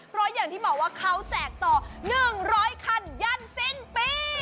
เพราะอย่างที่บอกว่าเขาแจกต่อ๑๐๐คันยันสิ้นปี